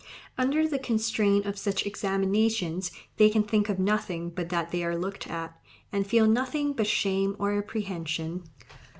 Under the constraint of such examinations they can think of nothing but that they are looked at, and feel nothing but shame or apprehension."